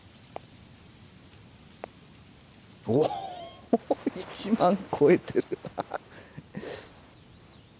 おっ１万超えてる！